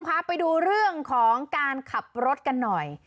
คุณผู้ชมค่ะไปดูเรื่องของการขับรถกันหน่อย